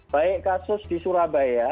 baik kasus di surabaya